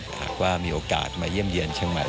หากว่ามีโอกาสมาเยี่ยมเยี่ยนเชียงใหม่